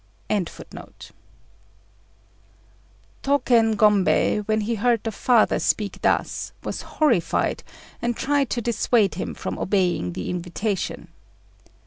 ] Tôken Gombei, when he heard the "Father" speak thus, was horrified, and tried to dissuade him from obeying the invitation.